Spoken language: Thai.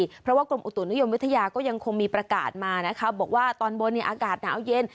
เพราะว่ากรมอุตุนิยมวิทยาก็ยังคงมีประกาศมานะคะบอกว่าตอนบนอากาศหนาวเย็น